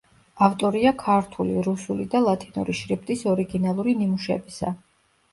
ავტორია ქართული, რუსული და ლათინური შრიფტის ორიგინალური ნიმუშებისა.